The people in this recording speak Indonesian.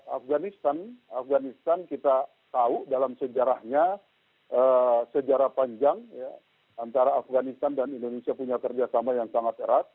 afganistan afganistan kita tahu dalam sejarahnya sejarah panjang antara afganistan dan indonesia punya kerjasama yang sangat erat